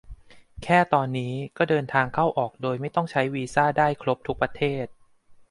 แค่ตอนนี้ก็เดินทางเข้าออกโดยไม่ต้องใช้วีซ่าได้ครบทุกประเทศ